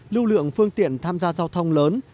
lưu lượng phương tiện tham gia giao thông lớn